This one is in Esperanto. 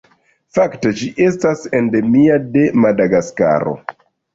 Fakte ĝi estas endemia de Madagaskaro.